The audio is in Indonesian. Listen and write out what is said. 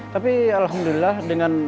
tapi alhamdulillah dengan